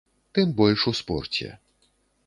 Тым больш у спорце.